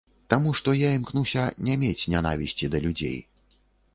Таму што я імкнуся не мець нянавісці да людзей.